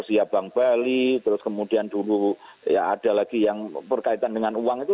siap bank bali terus kemudian dulu ya ada lagi yang berkaitan dengan uang itu